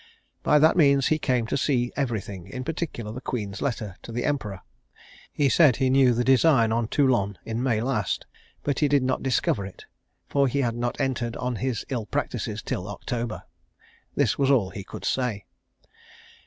By that means he came to see every thing, in particular the Queen's letter to the Emperor. He said he knew the design on Toulon in May last, but he did not discover it; for he had not entered on his ill practices till October. This was all he could say.